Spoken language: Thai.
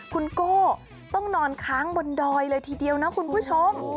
คุณโก้ต้องนอนค้างบนดอยเลยทีเดียวนะคุณผู้ชม